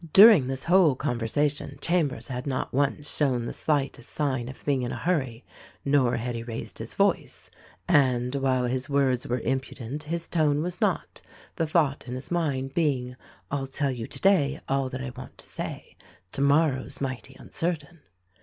During this whole conversation Chambers had not once shown the slightest sign of being in a hurry, nor had he raised his voice ; and, while his words were impudent, his tone was not; the thought in his mind being, "I'll tell you today all that I want to say — tomorrow's mighty uncertain."